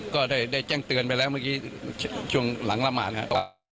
ก็ได้แจ้งเตือนไปแล้วเมื่อกี้ช่วงหลังละหมานครับ